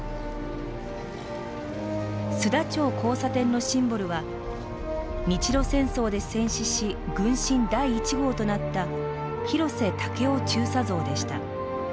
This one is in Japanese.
須田町交差点のシンボルは日露戦争で戦死し軍神第１号となった広瀬武夫中佐像でした。